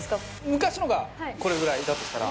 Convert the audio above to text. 昔のがこれぐらいだとしたら。